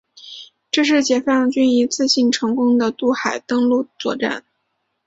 这是解放军一次成功的渡海登陆作战。